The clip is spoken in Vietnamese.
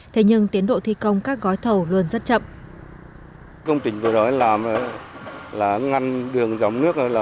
thế nhưng tiến độ thi công các gói thầu luôn rất chậm